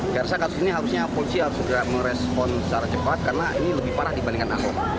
saya rasa kasus ini harusnya polisi harus segera merespon secara cepat karena ini lebih parah dibandingkan anggota